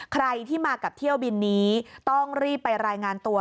ใครที่มากับเที่ยวบินนี้ต้องรีบไปรายงานตัว